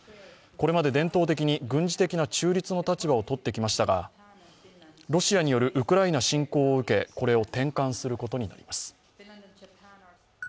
これまで伝統的に軍事的に中立の立場をとってきましたがロシアによるウクライナ侵攻を受けこれを転換することになります。